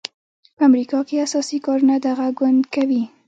په امریکا کې اساسي کارونه دغه ګوند کوي.